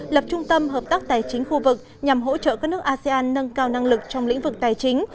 lập trung tâm hợp tác tài chính khu vực nhằm hỗ trợ các nước asean nâng cao năng lực trong lĩnh vực tài chính